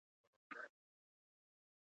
او هغه پرهېز په شدت سره رعایت کړي.